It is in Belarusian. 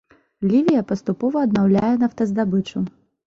Лівія паступова аднаўляе нафтаздабычу.